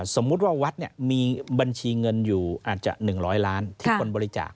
สมมุติว่าวัดมีบัญชีเงินอยู่อาจจะ๑๐๐ล้านที่คนบริจาค